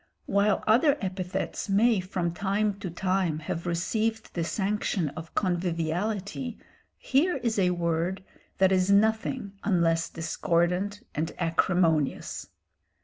While other epithets may from time to time have received the sanction of conviviality, here is a word that is nothing unless discordant and acrimonious.